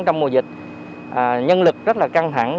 trong mùa dịch nhân lực rất là căng thẳng